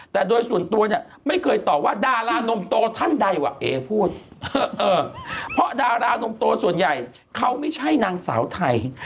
แต่โดยส่วนตัวเนี่ยไม่เคยตอบว่าดารานมโตท่านใดว่ะเอพูดเพราะดารานมโตส่วนใหญ่เขาไม่ใช่นางสาวไทย